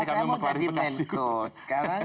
saya mau jadi menko sekarang